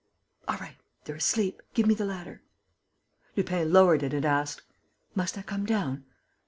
All right.... They're asleep.... give me the ladder." Lupin lowered it and asked: "Must I come down?"